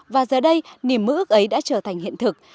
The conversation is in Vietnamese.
và giờ đây niềm mưu ức ấy đã trở thành hiện thực